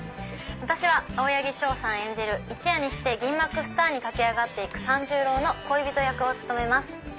私は青柳翔さん演じる一夜にして銀幕スターに駆け上がって行く三十郎の恋人役を務めます。